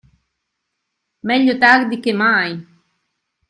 Meglio tardi che mai.